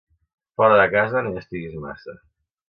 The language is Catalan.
Fora de casa no hi estiguis massa.